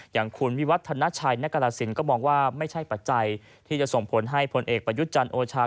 อย่างคุณวิวัฒนชัยนกรสินก็มองว่าไม่ใช่ปัจจัยที่จะส่งผลให้ผลเอกประยุทธ์จันทร์โอชา